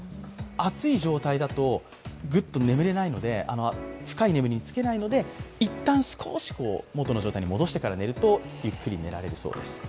熱い状態だと、ぐっと眠れないので深い眠りにつけないので、いったん、少し、元の状態に戻してから寝ると、ゆっくり寝られるそうです。